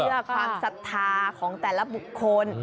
ความสะทาของแต่ละบุคคล